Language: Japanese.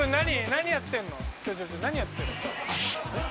何やってんのえっ？